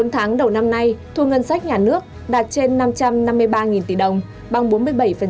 bốn tháng đầu năm nay thu ngân sách nhà nước đạt trên năm trăm năm mươi ba tỷ đồng bằng bốn mươi bảy